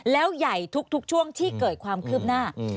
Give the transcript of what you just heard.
แล้วใหญ่ทุกช่วงที่เกิดความคืบหน้า